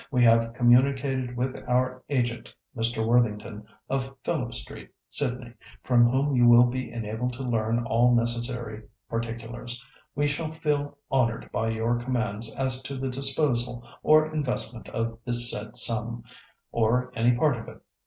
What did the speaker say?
We have communicated with our agent, Mr. Worthington, of Phillip Street, Sydney, from whom you will be enabled to learn all necessary particulars. We shall feel honoured by your commands as to the disposal or investment of this said sum, or any part of it.